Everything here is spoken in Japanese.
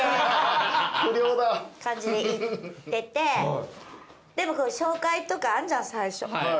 感じでいっててでも紹介とかあんじゃん最初。